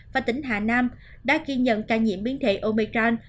và tỉnh hà nam đã kiên nhận ca nhiễm biến thể omicron